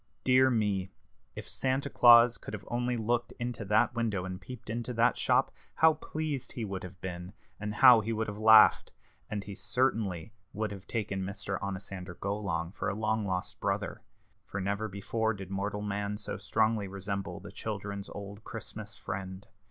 Dear me! if Santa Claus could have only looked into that window and peeped into that shop, how pleased he would have been, and how he would have laughed! And he certainly would have taken Mr. Onosander Golong for a long lost brother, for never before did mortal man so strongly resemble the children's old Christmas friend.